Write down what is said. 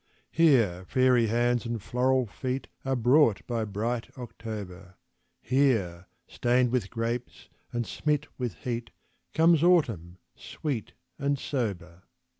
Here fairy hands and floral feet Are brought by bright October; Here, stained with grapes and smit with heat, Comes Autumn, sweet and sober.